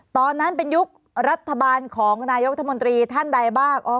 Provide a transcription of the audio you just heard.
ตอนนั้นเป็นยุครัฐบาลของนายกรัฐมนตรีท่านใดบ้าง